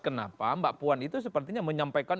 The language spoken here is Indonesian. kenapa mbak puan itu sepertinya menyampaikan